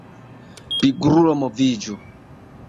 Pigrulo moviĝu!